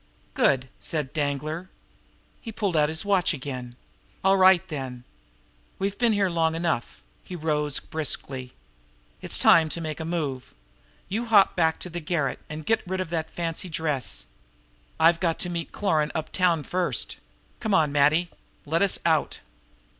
"Good!" said Danglar. He pulled out his watch again. "All right, then! We've been here long enough." He rose briskly. "It's time to make a move. You hop it back to the garret, and get rid of that fancy dress. I've got to meet Cloran uptown first. Come on, Matty, let us out."